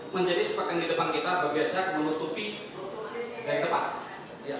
menjadi sepakan di depan kita berbiasa menutupi dari depan